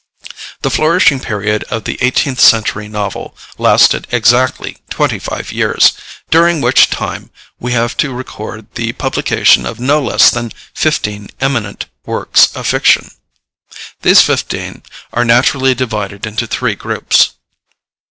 The flourishing period of the eighteenth century novel lasted exactly twenty five years, during which time we have to record the publication of no less than fifteen eminent works of fiction. These fifteen are naturally divided into three groups.